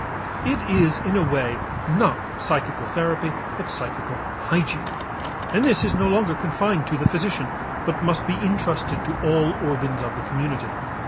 It is in a way not psychical therapy but psychical hygiene. And this is no longer confined to the physician but must be intrusted to all organs of the community.